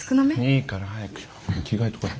いいから早く着替えてこい。